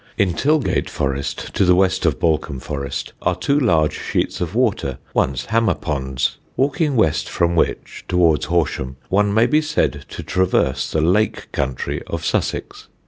In Tilgate Forest, to the west of Balcombe Forest, are two large sheets of water, once hammer ponds, walking west from which, towards Horsham, one may be said to traverse the Lake Country of Sussex.